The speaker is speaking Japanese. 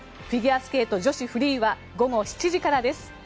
フィギュアスケート女子フリーは午後７時からです。